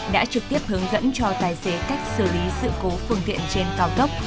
đã trực tiếp hướng dẫn cho tài xế cách xử lý sự cố phương tiện trên cao tốc